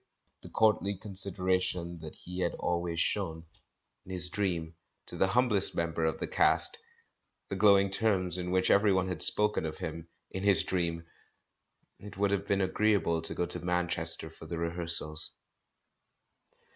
The courtly consideration that he had always shown — in his dream — to the humblest members of the cast! The glowing terms in which everyone had spoken of him — in his dream !... It would have been agreeable to go to IManchester for the rehearsals.